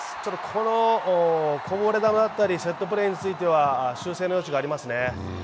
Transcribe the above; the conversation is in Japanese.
このこぼれ球だったりセットプレーについては修正の余地がありますね。